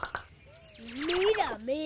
メラメラ。